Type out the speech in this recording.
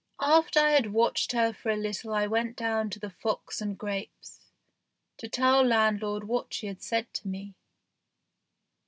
After I had watched her for a little I went down to the " Fox and Grapes " to tell landlord what she had said to me.